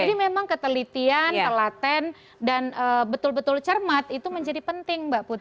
jadi memang ketelitian telaten dan betul betul cermat itu menjadi penting mbak putri